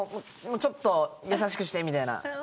ちょっと優しくして、みたいな。